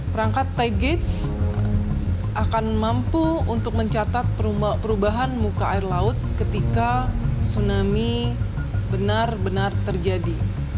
perangkat ty gates akan mampu untuk mencatat perubahan muka air laut ketika tsunami benar benar terjadi